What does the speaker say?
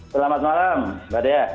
selamat malam mbak dea